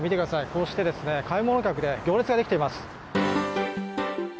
こうして買い物客で行列ができています。